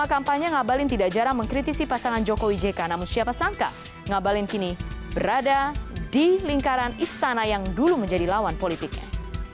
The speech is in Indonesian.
kepala kepala kepala